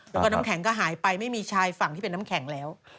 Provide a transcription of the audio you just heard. แล้วก็น้ำแข็งก็หายไปไม่มีชายฝั่งที่เป็นน้ำแข็งแล้ว